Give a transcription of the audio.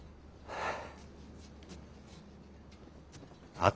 はあ。